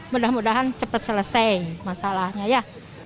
mudah mudahan cepat selesai masalahnya ya